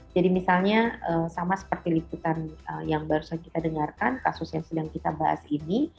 jadi misalnya sama seperti liputan yang barusan kita dengarkan kasus yang sedang kita bahas ini